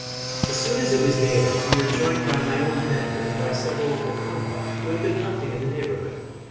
As soon as it was daylight we were joined by my own men and by several Wa Kamba, who had been hunting in the neighbourhood.